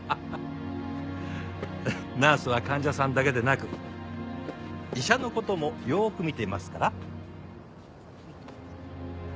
ナースは患者さんだけでなく医者の事もよーく見ていますから。